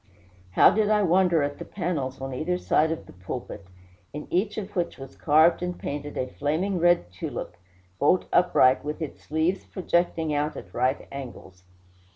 How did I wonder at the panels on either side of the pulpit, in each of which was carved and painted a flaming red tulip, bolt upright, with its leaves projecting out at right angles!